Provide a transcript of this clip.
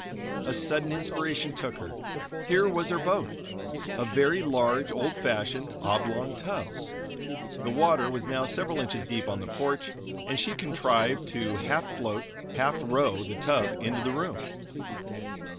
A sudden inspiration took her. Here was her boat! a very large, old fashioned, oblong tub. The water was now several inches deep on the porch and she contrived to half float, half row the tub into the room.